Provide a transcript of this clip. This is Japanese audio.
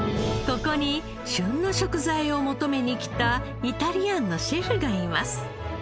ここに旬の食材を求めにきたイタリアンのシェフがいます。